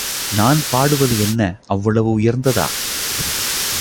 நான் பாடுவது என்ன, அவ்வளவு உயர்ந்ததா?